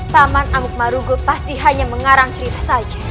taman amuk marugo pasti hanya mengarang cerita saja